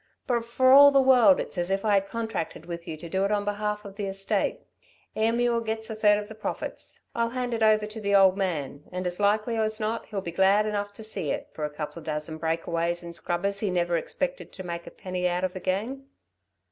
But for all the world it's as if I had contracted with you to do it on behalf of the estate. Ayrmuir gets a third of the profits. I'll hand it over to the old man and as likely as not he'll be glad enough to see it, for a couple of dozen breakaways and scrubbers he never expected to make a penny out of again."